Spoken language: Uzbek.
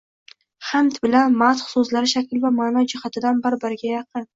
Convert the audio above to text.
“Hamd” bilan “madh” so‘zlari shakl va ma’no jihatidan bir-biriga yaqin.